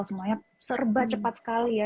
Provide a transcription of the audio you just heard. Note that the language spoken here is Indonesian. semuanya serba cepat sekali ya